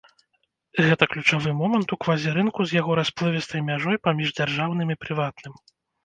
Гэта ключавы момант у квазірынку з яго расплывістай мяжой паміж дзяржаўным і прыватным.